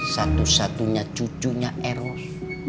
satu satunya cucunya eros